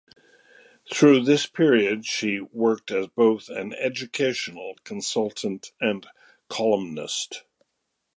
Through this period she has worked as both an educational consultant and columnist.